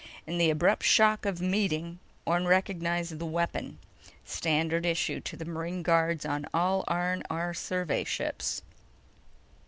In the abrupt shock of meeting, Orne recognized the weapon: standard issue to the marine guards on all R&R survey ships.